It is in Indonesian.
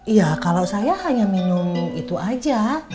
iya kalau saya hanya minum itu aja